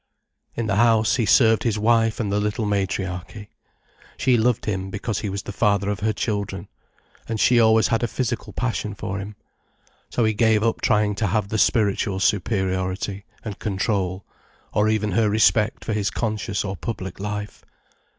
In the house, he served his wife and the little matriarchy. She loved him because he was the father of her children. And she always had a physical passion for him. So he gave up trying to have the spiritual superiority and control, or even her respect for his conscious or public life.